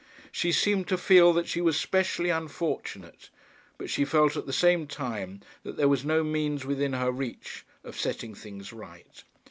She seemed to feel that she was specially unfortunate, but she felt at the same time that there was no means within her reach of setting things right.